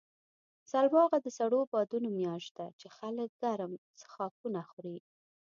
سلواغه د سړو بادونو میاشت ده، چې خلک ګرم څښاکونه خوري.